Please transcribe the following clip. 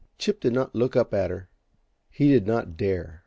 Chip did not look up at her; he did not dare.